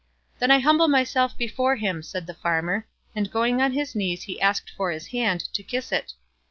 "Then I humble myself before him," said the farmer; and going on his knees he asked for his hand, to kiss it.